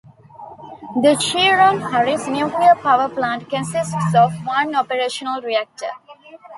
The Shearon Harris Nuclear Power Plant consists of one operational reactor.